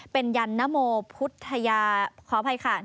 เป็นยันนโมพุทธยาขออภัยค่ะ